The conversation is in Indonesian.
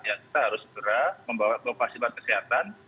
ya kita harus berat membawa ke pasien pasien kesehatan